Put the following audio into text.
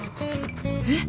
えっ！？